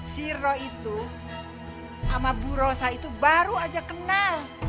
siro itu sama bu rosa itu baru aja kenal